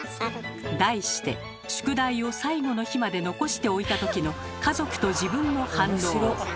題して「宿題をさいごの日まで残しておいた時の家族と自分の反応」。